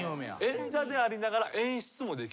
演者でありながら演出もできる。